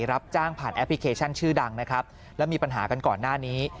รับจ้างผ่านแอปพลิเคชันชื่อดังนะครับแล้วมีปัญหากันก่อนหน้านี้